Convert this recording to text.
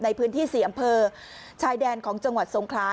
ในพื้นที่๔อำเภอชายแดนของจังหวัดทรงคลา